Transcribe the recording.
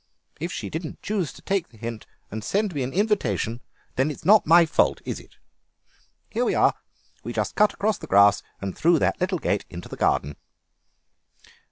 If she didn't choose to take the hint and send me an invitation it's not my fault, is it? Here we are: we just cut across the grass and through that little gate into the garden."